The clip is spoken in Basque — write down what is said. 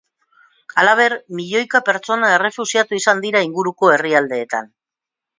Halaber, milioika pertsona errefuxiatu izan dira inguruko herrialdeetan.